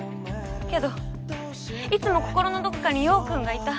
けどいつも心のどこかに陽君がいた。